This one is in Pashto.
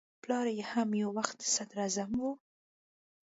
پلار یې هم یو وخت صدراعظم و.